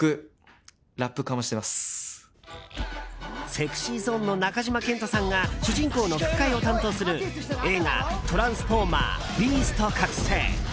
ＳｅｘｙＺｏｎｅの中島健人さんが主人公の吹き替えを担当する映画「トランスフォーマー／ビースト覚醒」。